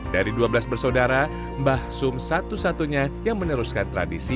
dari dua belas bersaudara mbah sum satu satunya yang meneruskan tradisi